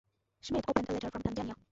Schmidt opens a letter from Tanzania.